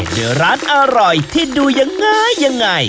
เดือร้านอร่อยที่ดูอย่างง้ายอย่างง่าย